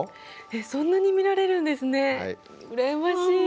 えっそんなに見られるんですね。